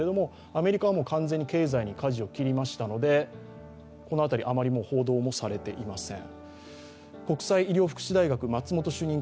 アメリカは完全に経済にかじを切りましたので、この辺りあまり報道もされていません。